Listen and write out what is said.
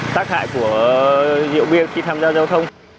tác hại của rượu bia khi tham gia giao thông